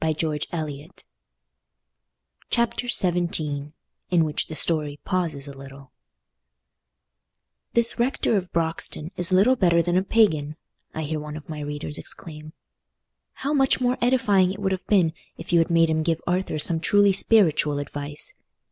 Book Second Chapter XVII In Which the Story Pauses a Little "This Rector of Broxton is little better than a pagan!" I hear one of my readers exclaim. "How much more edifying it would have been if you had made him give Arthur some truly spiritual advice!